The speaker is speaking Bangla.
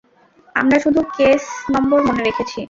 আমরা শুধু কেস নম্বর মনে রেখেছি।